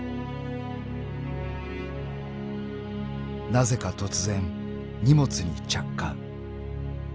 ［なぜか突然荷物に着火］